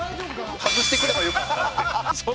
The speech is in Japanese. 外してくればよかったって。